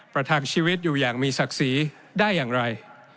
ประทังชีวิตอยู่อย่างมีศักดิ์ศรีได้อย่างไร